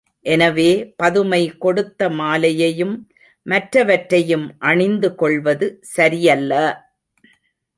எனவே பதுமை கொடுத்த மாலையையும் மற்றவற்றையும் அணிந்து கொள்வது சரியல்ல!